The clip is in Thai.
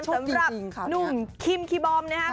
สำหรับหนุ่มคิมคีย์บอมนะครับ